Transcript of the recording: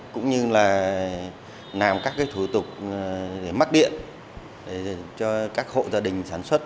cũng như là làm các thủ tục mắc điện cho các hộ gia đình sản xuất